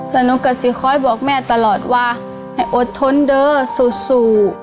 แล้วหนูก็สิคอยบอกแม่ตลอดว่าให้อดทนเด้อสู้